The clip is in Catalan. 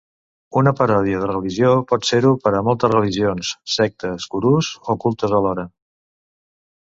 Una paròdia de religió pot ser-ho per a moltes religions, sectes, gurus o cultes alhora.